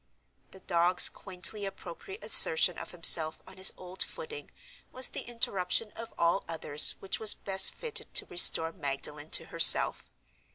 The dog's quaintly appropriate assertion of himself on his old footing was the interruption of all others which was best fitted to restore Magdalen to herself.